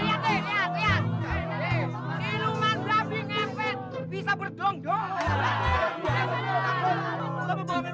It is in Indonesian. aku ingat melukis